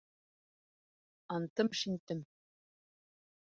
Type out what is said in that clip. Антым-шинтем.